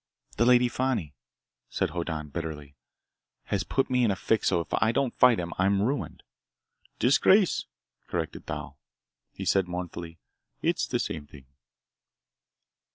"The Lady Fani," said Hoddan bitterly, "has put me in a fix so if I don't fight him I'm ruined!" "Disgraced," corrected Thal. He said mournfully, "It's the same thing."